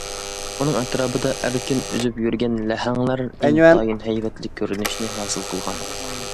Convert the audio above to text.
ئۇنىڭ ئەتراپىدا ئەركىن ئۈزۈپ يۈرگەن لەھەڭلەر ئىنتايىن ھەيۋەتلىك كۆرۈنۈشنى ھاسىل قىلغان.